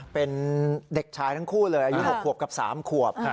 เป็นเด็กชายทั้งคู่เลยอายุ๖ขวบกับ๓ขวบ